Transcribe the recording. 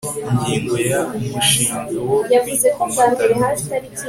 Ingingo ya Umushinga wo kwikomatanya